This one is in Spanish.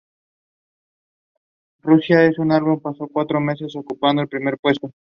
En Rusia el álbum pasó cuatro meses ocupando el primer puesto.